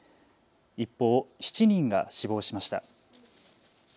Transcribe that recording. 一方、７人が死亡しました。